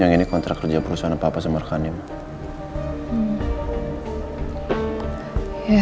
yang ini kontrak kerja perusahaan apa apa semarkan nih mbak